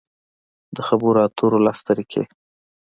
د خبرو اترو لس طریقې: